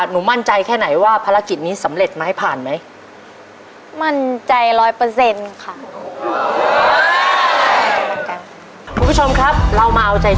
หนูมั่นใจแค่ไหนว่าภารกิจนี้สำเร็จไหมผ่านไหม